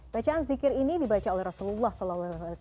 bacaan zikir ini dibaca oleh rasulullah saw